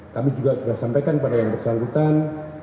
kami juga sudah sampaikan kepada yang bersangkutan